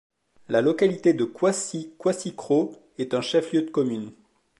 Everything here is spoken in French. La localité de Kouassi Kouassikro est un chef-lieu de commune.